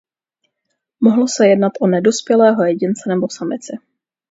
Mohlo se jednat o nedospělého jedince nebo samici.